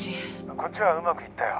「こっちはうまくいったよ」